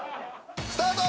スタート。